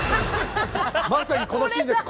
まさにこのシーンです。